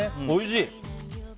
おいしい。